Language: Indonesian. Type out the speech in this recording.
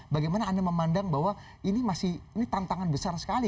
bagaimana anda memandang bahwa ini masih ini tantangan besar sekali